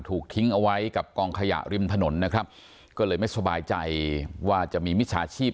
ถูกทิ้งเอาไว้กับกองขยะริมถนนนะครับก็เลยไม่สบายใจว่าจะมีมิจฉาชีพ